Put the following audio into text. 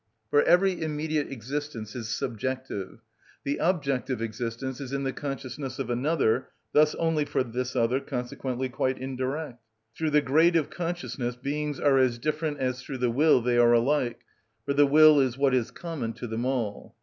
For every immediate existence is subjective: the objective existence is in the consciousness of another, thus only for this other, consequently quite indirect. Through the grade of consciousness beings are as different as through the will they are alike, for the will is what is common to them all.